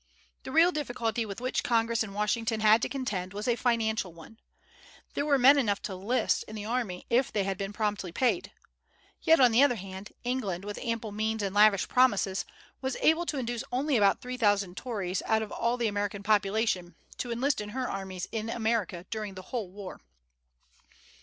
The real difficulty with which Congress and Washington had to contend was a financial one. There were men enough to enlist in the army if they had been promptly paid. Yet, on the other hand, England, with ample means and lavish promises, was able to induce only about three thousand Tories out of all the American population to enlist in her armies in America during the whole war.